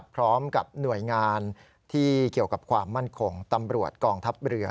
พร้อมกับหน่วยงานที่เกี่ยวกับความมั่นคงตำรวจกองทัพเรือ